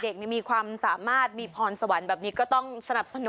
มีความสามารถมีพรสวรรค์แบบนี้ก็ต้องสนับสนุน